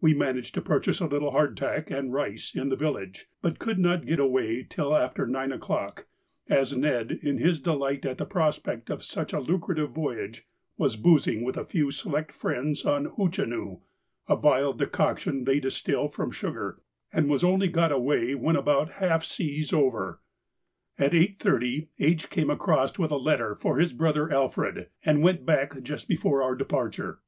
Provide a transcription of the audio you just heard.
We managed to purchase a little hard tack and rice in the village, but could not get away till after nine o'clock, as Ned, in his delight at the prospect of such a lucrative voyage, was boozing with a few select friends on 'hoochinoo,' a vile decoction they distil from sugar, and was only got away when about half seas over. At 8.30 H. came across with a letter for his brother Alfred, and went back just before our departure.